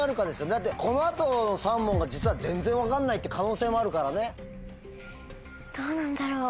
だってこの後の３問が実は全然分かんないって可能性もあるからね。